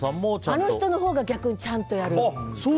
あの人のほうが逆にちゃんとやる。